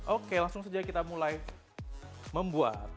oke langsung saja kita mulai membuat